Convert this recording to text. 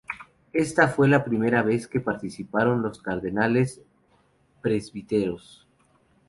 Esta fue la primera vez que participaron los cardenales presbíteros.